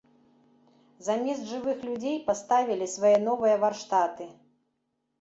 Замест жывых людзей паставілі свае новыя варштаты.